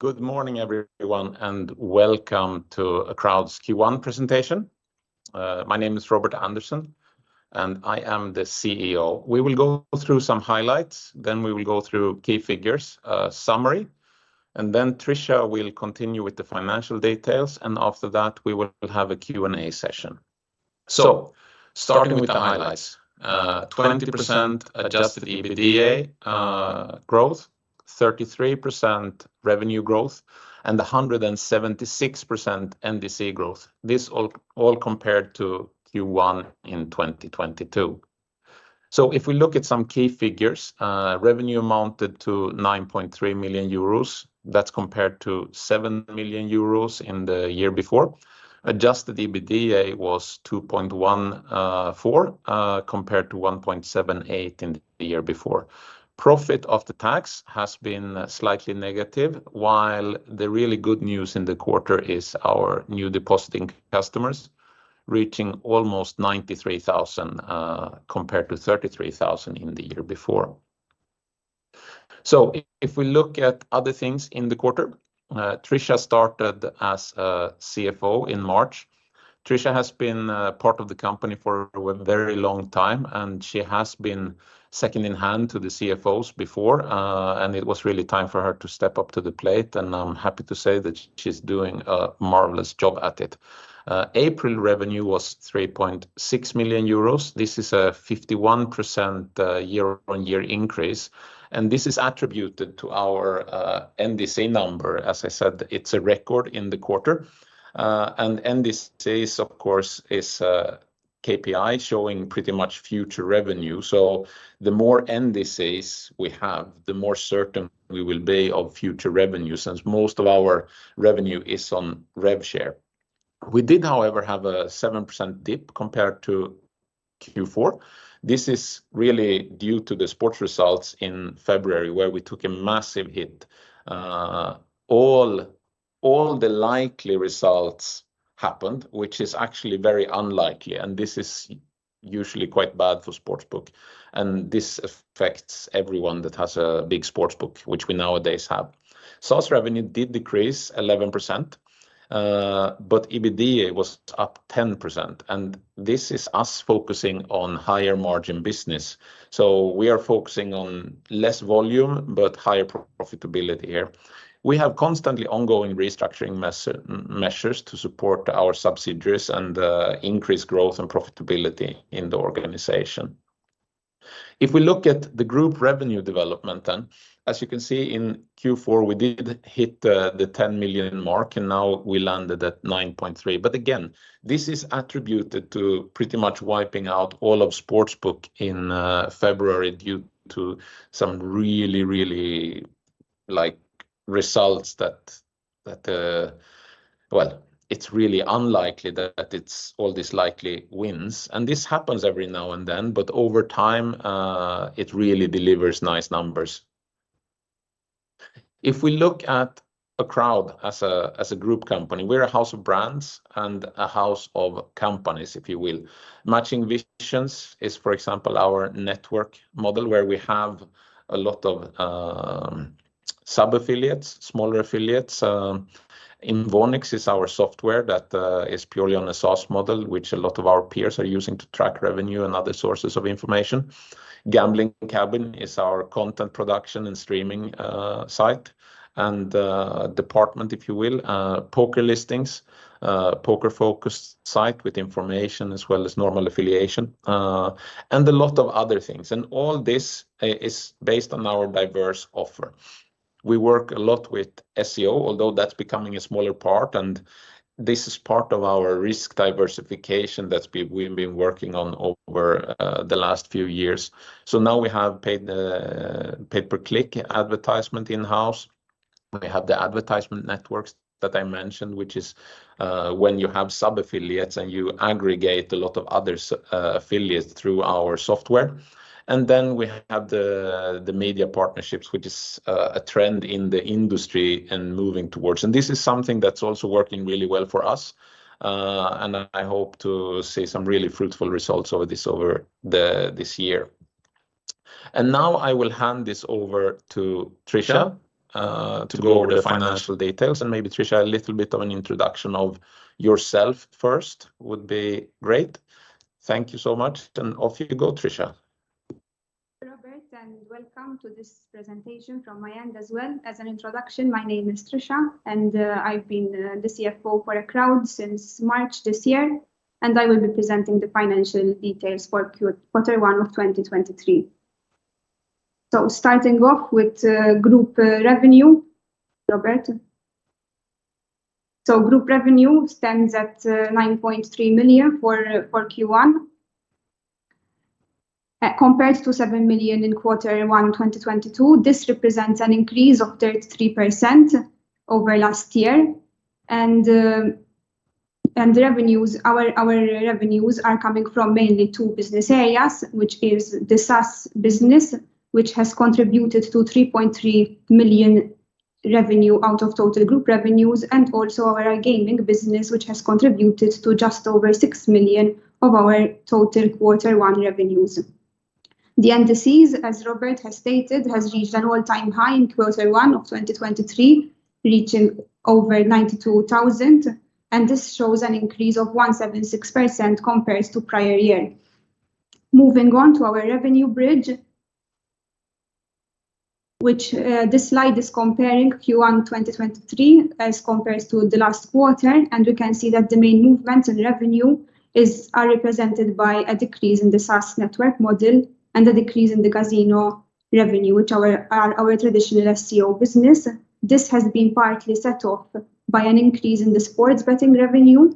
Good morning, everyone, welcome to Acroud's Q1 presentation. My name is Robert Andersson and I am the CEO. We will go through some highlights, we will go through key figures, a summary, Tricia will continue with the financial details, after that we will have a Q&A session. Starting with the highlights. 20% adjusted EBITDA growth, 33% revenue growth, and 176% NDC growth. This all compared to Q1 in 2022. If we look at some key figures, revenue amounted to 9.3 million euros. That's compared to 7 million euros in the year before. Adjusted EBITDA was 2.14 million compared to 1.78 million in the year before. Profit of the tax has been slightly negative, while the really good news in the quarter is our New Depositing Customers reaching almost 93,000 compared to 33,000 in the year before. If we look at other things in the quarter, Tricia started as a CFO in March. Tricia has been part of the company for a very long time, and she has been second in hand to the CFOs before, and it was really time for her to step up to the plate, and I'm happy to say that she's doing a marvelous job at it. April revenue was 3.6 million euros. This is a 51% year-on-year increase, and this is attributed to our NDC number. As I said, it's a record in the quarter. NDC is of course is a KPI showing pretty much future revenue. The more NDCs we have, the more certain we will be of future revenue, since most of our revenue is on rev share. We did, however, have a 7% dip compared to Q4. This is really due to the sports results in February, where we took a massive hit. All the likely results happened, which is actually very unlikely, and this is usually quite bad for sportsbook. This affects everyone that has a big sportsbook, which we nowadays have. Source revenue did decrease 11%, but EBITDA was up 10%. This is us focusing on higher-margin business. We are focusing on less volume, but higher profitability here. We have constantly ongoing restructuring measures to support our subsidiaries and increase growth and profitability in the organization. If we look at the group revenue development, as you can see in Q4, we did hit the 10 million mark, and now we landed at 9.3 million. Again, this is attributed to pretty much wiping out all of sportsbook in February due to some really, really, like, results that. Well, it's really unlikely that it's all this likely wins, and this happens every now and then, but over time, it really delivers nice numbers. If we look at Acroud as a group company, we're a house of brands and a house of companies, if you will. Matching Visions is, for example, our network model where we have a lot of sub-affiliates, smaller affiliates. Invonix is our software that is purely on a SaaS model, which a lot of our peers are using to track revenue and other sources of information. TheGamblingCabin is our content production and streaming site and department, if you will. PokerListings, poker-focused site with information as well as normal affiliation and a lot of other things. All this is based on our diverse offer. We work a lot with SEO, although that's becoming a smaller part, and this is part of our risk diversification that we've been working on over the last few years. Now we have paid pay-per-click advertisement in-house. We have the advertisement networks that I mentioned, which is when you have sub-affiliates and you aggregate a lot of other affiliates through our software. Then we have the media partnerships, which is a trend in the industry and moving towards. This is something that's also working really well for us, and I hope to see some really fruitful results over this year. Now I will hand this over to Tricia, to go over the financial details. Maybe Tricia, a little bit of an introduction of yourself first would be great. Thank you so much. Off you go, Tricia. Robert, welcome to this presentation from my end as well. As an introduction, my name is Tricia, I've been the CFO for Acroud since March this year, I will be presenting the financial details for quarter one of 2023. Starting off with group revenue. Robert. Group revenue stands at 9.3 million for Q1. Compared to 7 million in quarter one 2022, this represents an increase of 33% over last year. Our revenues are coming from mainly two business areas, which is the SaaS business, which has contributed to 3.3 million revenue out of total group revenues and also our iGaming business, which has contributed to just over 6 million of our total quarter one revenues. The indices, as Robert has stated, has reached an all-time high in Q1 2023, reaching over 92,000, and this shows an increase of 176% compares to prior year. Moving on to our revenue bridge, which this slide is comparing Q1 2023 as compares to the last quarter. We can see that the main movements in revenue are represented by a decrease in the SaaS network model and a decrease in the casino revenue, which are our traditional SEO business. This has been partly set off by an increase in the sports betting revenue,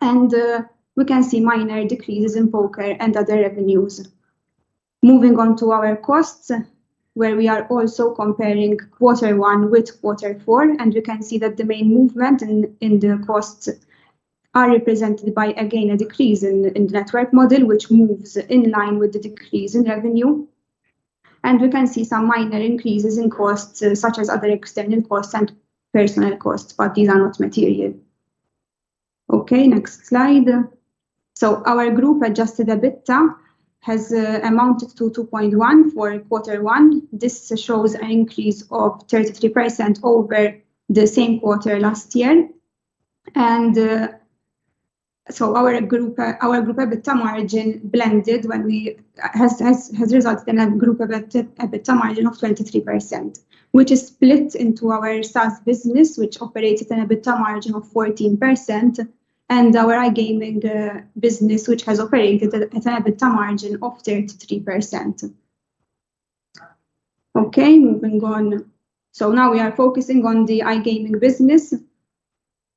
and we can see minor decreases in poker and other revenues. Moving on to our costs, where we are also comparing quarter one with quarter four. We can see that the main movement in the costs are represented by, again, a decrease in the network model, which moves in line with the decrease in revenue. We can see some minor increases in costs, such as other external costs and personnel costs, but these are not material. Next slide. Our group adjusted EBITDA has amounted to 2.1 for quarter one. This shows an increase of 33% over the same quarter last year. Our group EBITDA margin blended has resulted in a group EBITDA margin of 23%, which is split into our SaaS business, which operated an EBITDA margin of 14%, and our iGaming business, which has operated at an EBITDA margin of 33%. Okay, moving on. Now we are focusing on the iGaming business.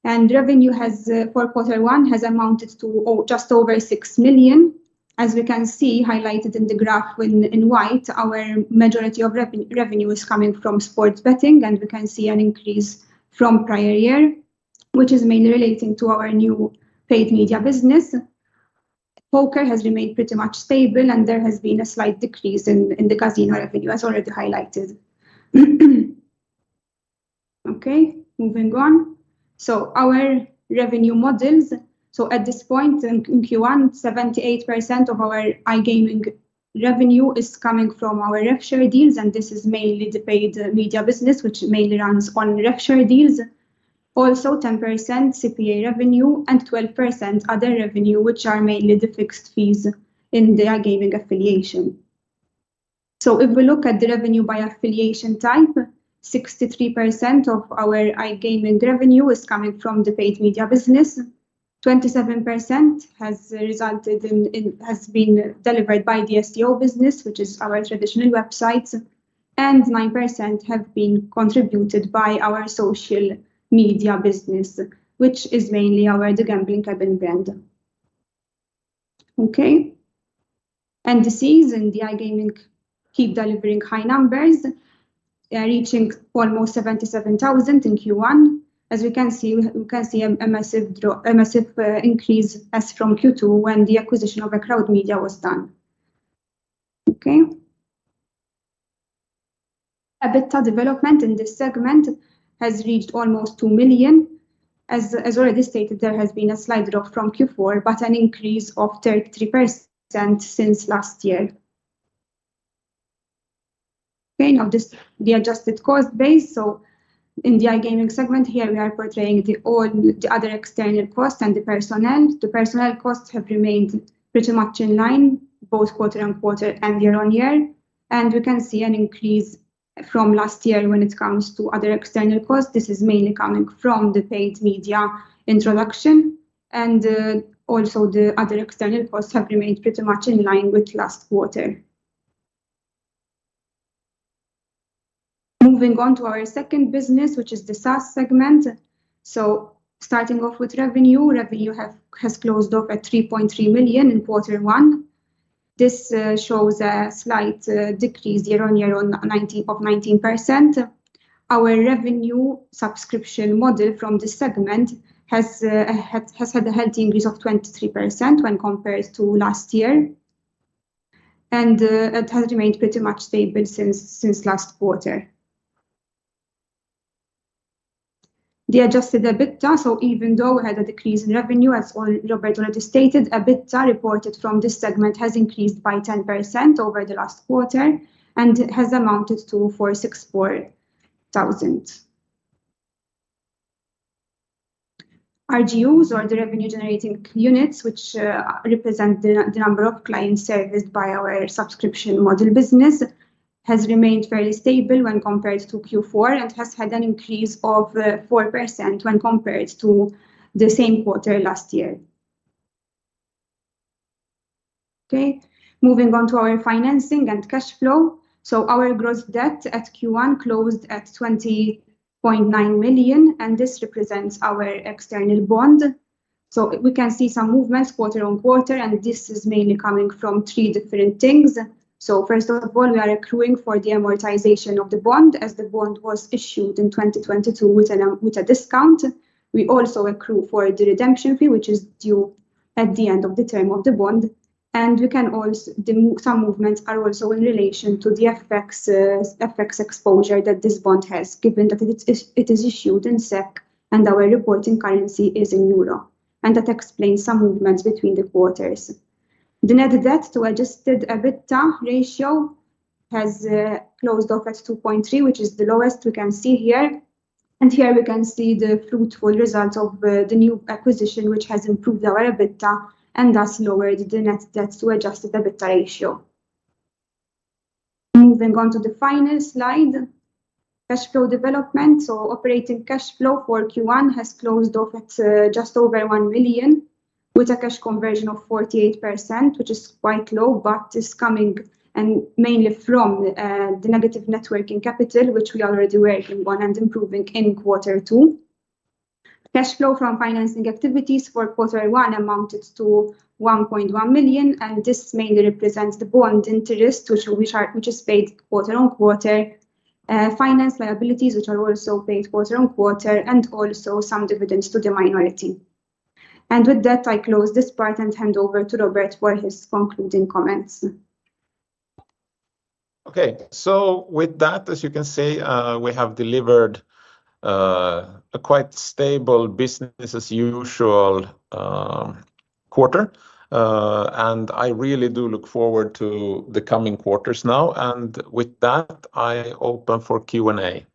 Revenue has for quarter one amounted to just over 6 million. As we can see highlighted in the graph in white, our majority of revenue is coming from sports betting, and we can see an increase from prior year, which is mainly relating to our new paid media business. Poker has remained pretty much stable, and there has been a slight decrease in the casino revenue, as already highlighted. Okay, moving on. Our revenue models. At this point in Q1, 78% of our iGaming revenue is coming from our referral deals, and this is mainly the paid media business, which mainly runs on referral deals. Also, 10% CPA revenue and 12% other revenue, which are mainly the fixed fees in the iGaming affiliation. If we look at the revenue by affiliation type, 63% of our iGaming revenue is coming from the paid media business. 27% has been delivered by the SEO business, which is our traditional websites, and 9% have been contributed by our social media business, which is mainly our TheGamblingCabin brand. Okay. Indices in the iGaming keep delivering high numbers, reaching almost 77,000 in Q1. As we can see, a massive increase as from Q2 when the acquisition of Acroud Media was done. EBITDA development in this segment has reached almost 2 million. As already stated, there has been a slight drop from Q4, but an increase of 33% since last year. Now this the adjusted cost base. In the iGaming segment here, we are portraying the other external costs and the personnel. The personnel costs have remained pretty much in line, both quarter-on-quarter and year-on-year. We can see an increase from last year when it comes to other external costs. This is mainly coming from the paid media introduction. Also the other external costs have remained pretty much in line with last quarter. Moving on to our second business, which is the SaaS segment. Starting off with revenue. Revenue has closed off at 3.3 million in quarter one. This shows a slight decrease year-on-year of 19%. Our revenue subscription model from this segment has had a healthy increase of 23% when compared to last year, and it has remained pretty much stable since last quarter. The adjusted EBITDA, even though we had a decrease in revenue, as Robert already stated, EBITDA reported from this segment has increased by 10% over the last quarter and has amounted to 464 thousand. RGUs or the revenue generating units, which represent the number of clients serviced by our subscription model business, has remained fairly stable when compared to Q4 and has had an increase of 4% when compared to the same quarter last year. Moving on to our financing and cash flow. Our gross debt at Q1 closed at 20.9 million. This represents our external bond. We can see some movements quarter-on-quarter. This is mainly coming from 3 different things. First of all, we are accruing for the amortization of the bond as the bond was issued in 2022 with a discount. We also accrue for the redemption fee, which is due at the end of the term of the bond. We can also. Some movements are also in relation to the FX exposure that this bond has, given that it is issued in SEK and our reporting currency is in EUR. That explains some movements between the quarters. The net debt to adjusted EBITDA ratio has closed off at 2.3, which is the lowest we can see here. Here we can see the fruitful result of the new acquisition, which has improved our EBITDA and thus lowered the net debt to adjusted EBITDA ratio. Moving on to the final slide, cash flow development or operating cash flow for Q1 has closed off at just over 1 million, with a cash conversion of 48%, which is quite low, but is coming, and mainly from the negative net working capital, which we already were working on and improving in Q2. Cash flow from financing activities for quarter one amounted to 1.1 million. This mainly represents the bond interest, which is paid quarter-on-quarter. Finance liabilities, which are also paid quarter-on-quarter, and also some dividends to the minority. With that, I close this part and hand over to Robert for his concluding comments. Okay. With that, as you can see, we have delivered a quite stable business as usual quarter. I really do look forward to the coming quarters now, and with that I open for Q&A.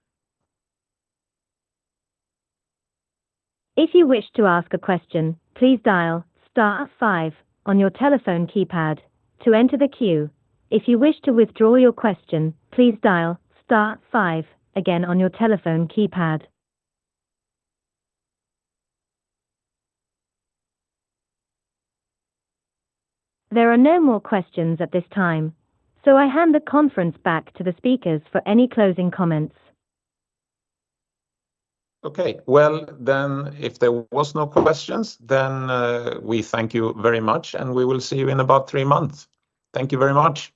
If you wish to ask a question, please dial star five on your telephone keypad to enter the queue. If you wish to withdraw your question, please dial star five again on your telephone keypad. There are no more questions at this time. I hand the conference back to the speakers for any closing comments. Okay. If there was no questions then, we thank you very much and we will see you in about three months. Thank you very much.